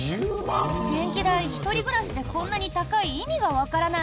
電気代、１人暮らしでこんなに高い意味がわからない。